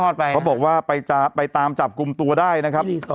เนี่ยนะครับก็บอกว่าไปตามจับกุมตัวได้นะครับ